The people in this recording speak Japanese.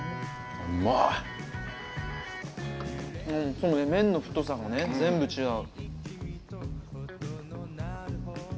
そうね麺の太さがね全部違う。